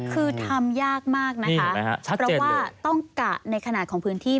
คือทำยากมากนะคะเพราะว่าต้องกะในขนาดของพื้นที่